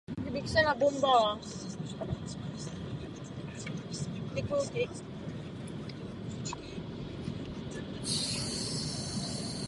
Stanice cílí především na ženy.